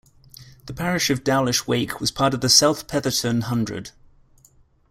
The parish of Dowlish Wake was part of the South Petherton Hundred.